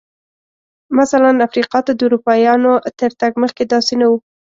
مثلاً افریقا ته د اروپایانو تر تګ مخکې داسې نه و.